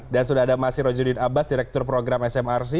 dan sudah ada masiro judin abbas direktur program smrc